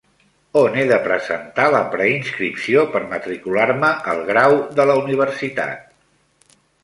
On he de presentar la preinscripció per matricular-me al grau de la universitat?